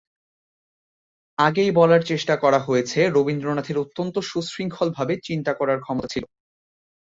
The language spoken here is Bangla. আগেই বলার চেষ্টা করা হয়েছে রবীন্দ্রনাথের অত্যন্ত সুশৃঙ্খলভাবে চিন্তা করার ক্ষমতা ছিল।